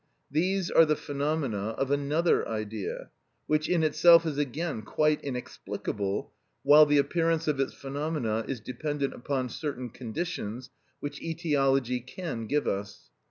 These are the phenomena of another Idea, which in itself is again quite inexplicable, while the appearance of its phenomena is dependent upon certain conditions which etiology can give us.